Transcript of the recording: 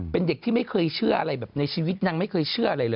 เป็นเด็กที่ไม่เคยเชื่ออะไรแบบในชีวิตนางไม่เคยเชื่ออะไรเลย